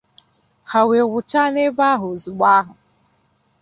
ha wee wụchaa n'ebe ahụ ozigbo ahụ